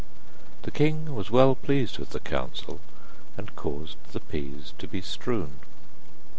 The king was well pleased with the counsel, and caused the peas to be strewn.